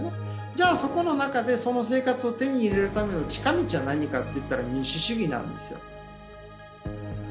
じゃあそこの中でその生活を手に入れるための近道は何かといったら民主主義なんですよ。